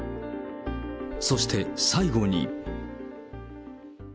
そして、最後に。